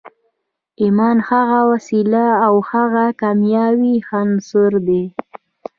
ایمان هغه وسیله او هغه کیمیاوي عنصر دی